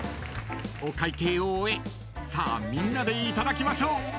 ［お会計を終えさあみんなでいただきましょう］